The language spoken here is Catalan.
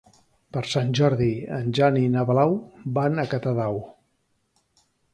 Per Sant Jordi en Jan i na Blau van a Catadau.